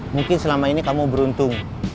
mungkin selama ini kamu beruntung